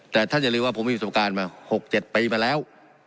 แต่ท่านอย่าลืมว่าผมมีประสบการณ์มา๖๗ปีมาแล้ว